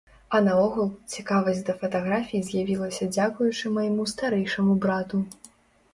А наогул, цікавасць да фатаграфіі з'явілася дзякуючы майму старэйшаму брату.